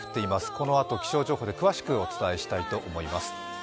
このあと気象情報で詳しくお伝えしたいと思います。